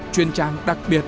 chuyên trang đặc biệt